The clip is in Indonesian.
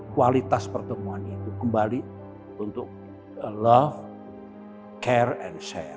kualitas pertemuan itu kembali untuk love care and share